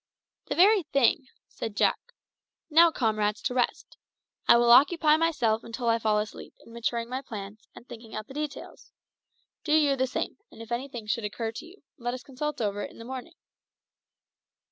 "The very thing," said Jack. "Now, comrades, to rest. I will occupy myself until I fall asleep in maturing my plans and thinking out the details. Do you the same, and if anything should occur to you let us consult over it in the morning."